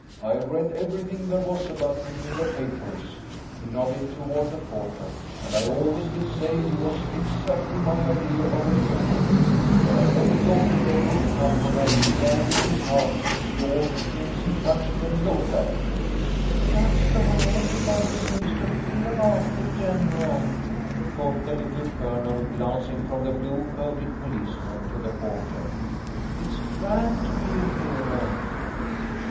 I read everything there was about him in the papers (he nodded toward the portrait), and I always did say he was exactly my idea of a hero. THE DAY AFTER THANKSGIVING. 199 But I never thought the day would come when I'd stand in his house and see all the things he touched and looked at." " That's the . way everybody seems to feel about the general," thought the Little Colonel, glancing from the blue coated policeman to the portrait. " It's grand to be a hero."